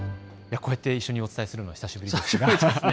こうやって一緒にお伝えするの久しぶりですね。